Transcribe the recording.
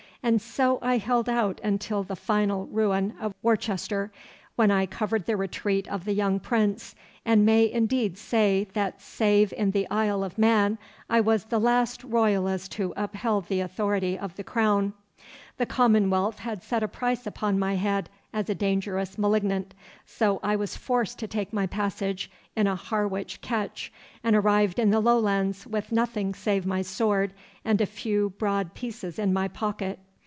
And so I held out until the final ruin of Worcester, when I covered the retreat of the young prince, and may indeed say that save in the Isle of Man I was the last Royalist who upheld the authority of the crown. The Commonwealth had set a price upon my head as a dangerous malignant, so I was forced to take my passage in a Harwich ketch, and arrived in the Lowlands with nothing save my sword and a few broad pieces in my pocket.